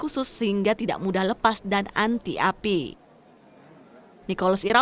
khusus sehingga tidak mudah lepas dan anti api nicoles ira